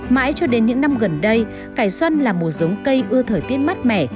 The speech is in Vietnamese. mãi cho đến những năm gần đây cải xoăn là một giống cây ưa thời tiết mát mẻ